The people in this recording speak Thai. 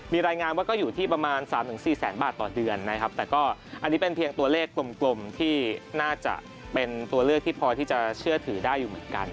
มีรายงานว่าก็อยู่ที่ประมาณ๓๔แสนบาทต่อเดือนนะครับแต่ก็อันนี้เป็นเพียงตัวเลขกลมที่น่าจะเป็นตัวเลือกที่พอที่จะเชื่อถือได้อยู่เหมือนกัน